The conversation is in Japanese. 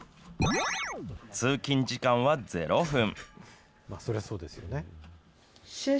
通勤時間は０分。